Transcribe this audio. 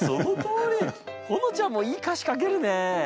ほのちゃんもいい歌詞書けるね。